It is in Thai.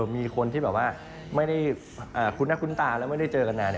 มีคนที่แบบว่าคุณนะคุณตาและไม่ได้เจอกันนาน